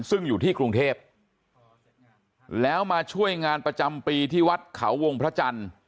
ซึ่งอยู่ที่กรุงเทพแล้วมาช่วยงานประจำปีที่วัดเขาวงพระจันทร์